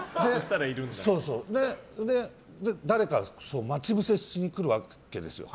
で、誰か待ち伏せしに来るわけですよ。